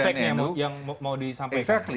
itulah kautel efeknya yang mau disampaikan